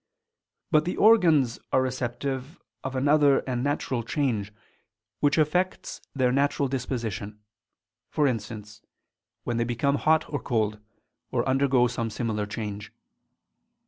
But the organs are receptive of another and natural change, which affects their natural disposition; for instance, when they become hot or cold, or undergo some similar change.